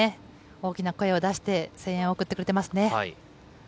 大きな声を出して声援を送ってくれてますね。